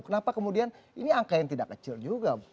kenapa kemudian ini angka yang tidak kecil juga